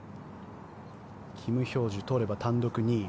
キム・ヒョージュ取れば単独２位。